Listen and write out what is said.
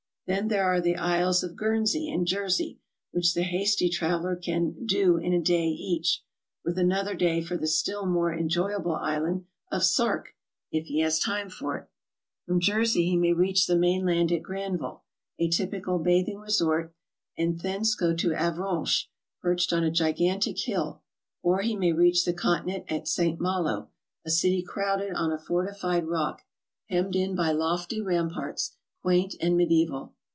Then there are the islands of Guernsey and Jersey, whidh the hasty traveler can "do" in a day eadh, with another day for the s'till more en joyable island of Sark if he has time for it. Fr'om Jersey he may reach the mainland at Granville, a typical bathing re sort, and thence go to Avranches, perched on a gigantic hill; or he may reach the Continent at St. Malo, a city crowded on a fortified rock, hemmed in by lofty ramparts. 72 GOING ABROAD? quaint and mediaeval.